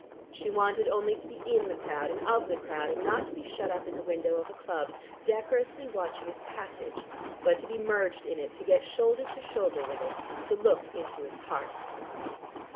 She wanted only to be in the crowd and of the crowd and not to be shut up in the window of a club, decorously watching its passage, but to be merged in it, to get shoulder to shoulder with it, to look into its heart.